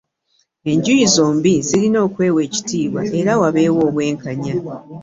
Enjuyi zombi zirina okwewa ekitiibwa era wabeewo obwenkanya